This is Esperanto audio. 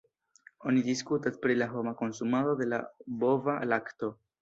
Oni diskutas pri la homa konsumado de la bova lakto.